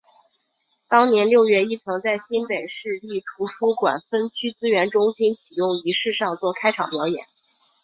当年六月亦曾在新北市立图书馆分区资源中心启用仪式上做开场表演。